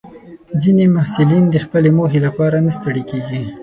ځینې محصلین د خپلې موخې لپاره نه ستړي کېږي.